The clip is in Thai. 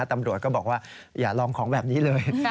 ตำรวจก็บอกว่าอย่าลองของแบบนี้เลย